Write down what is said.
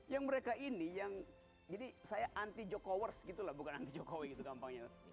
yang mereka ini yang jadi saya anti jokowi bukan anti jokowi gitu gampangnya